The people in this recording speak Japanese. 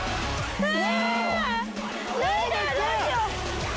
うわ！